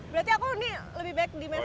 berarti aku ini lebih baik di mana